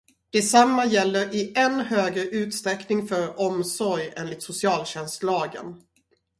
Detsamma gäller i än högre utsträckning för omsorg enligt socialtjänstlagen.